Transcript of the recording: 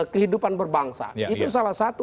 kehidupan berbangsa itu salah satu